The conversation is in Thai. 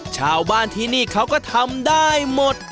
ชาวบ้านที่นี่เขาก็ทำได้หมด